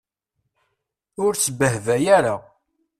Ur sbehbay ara.